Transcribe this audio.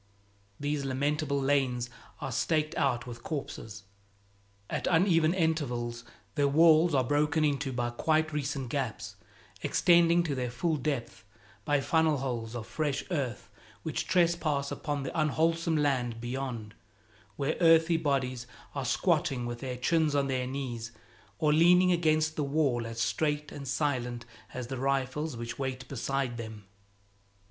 These lamentable lanes are staked out with corpses. At uneven intervals their walls are broken into by quite recent gaps, extending to their full depth, by funnelholes of fresh earth which trespass upon the unwholesome land beyond, where earthy bodies are squatting with their chins on their knees or leaning against the wall as straight and silent as the rifles which wait beside them.